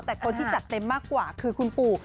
แต่คนที่จัดเต็มมากกว่าคือคุณปู่